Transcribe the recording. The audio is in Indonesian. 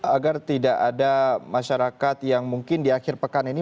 agar tidak ada masyarakat yang mungkin di akhir pekan ini